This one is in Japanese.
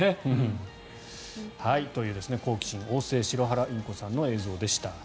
という、好奇心旺盛シロハラインコさんの映像でした。